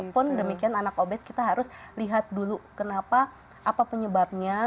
walaupun demikian anak obes kita harus lihat dulu kenapa apa penyebabnya